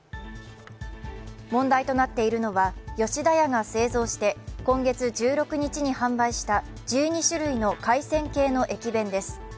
問題となっているのは、吉田屋が製造して今月１６日に販売した１２種類の海鮮系の駅弁です。